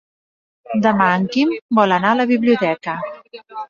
Demà en Quim vol anar a la biblioteca.